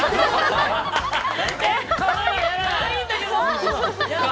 かわいいんだけど！